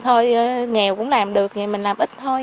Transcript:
thôi nghèo cũng làm được thì mình làm ít thôi